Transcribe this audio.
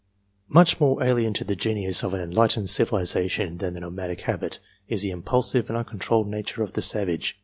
Much more alien to the genius of an enlightened civili zation than the nomadic habit, is the impulsive and uncon trolled nature of the savage.